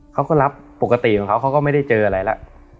เขาก็รับปกติของเขาเขาก็ไม่ได้เจออะไรแล้ว